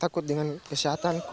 takut dengan kesehatanku